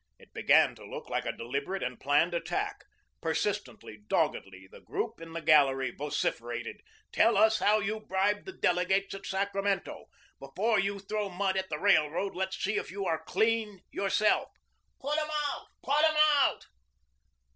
It began to look like a deliberate and planned attack. Persistently, doggedly, the group in the gallery vociferated: "Tell us how you bribed the delegates at Sacramento. Before you throw mud at the Railroad, let's see if you are clean yourself." "Put 'em out, put 'em out."